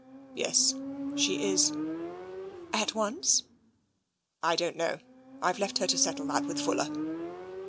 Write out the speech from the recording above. " Yes, she is." "At once?" " I don't know. I've left her to settle that with Fuller."